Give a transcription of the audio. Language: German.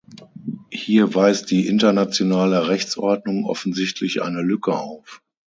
Hier weist die internationale Rechtsordnung offensichtlich eine Lücke auf.